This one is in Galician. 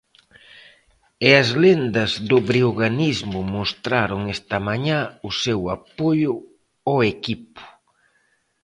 E as lendas do breoganismo mostraron esta mañá o seu apoio ao equipo.